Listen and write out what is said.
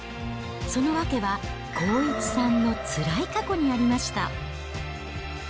その訳は、康一さんのつらい過去にありました。